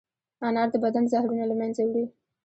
انار د بدن زهرونه له منځه وړي.